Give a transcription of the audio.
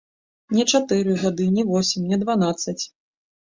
Не чатыры гады, не восем, не дванаццаць.